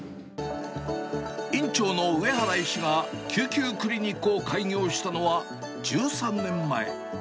院長の上原医師が救急クリニックを開業したのは１３年前。